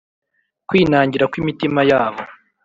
kwinangira kw imitima yabo